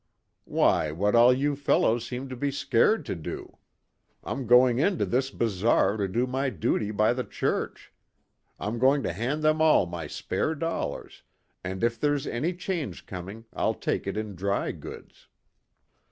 Why, what all you fellows seem to be scared to do. I'm going into this bazaar to do my duty by the church. I'm going to hand them all my spare dollars, and if there's any change coming, I'll take it in dry goods."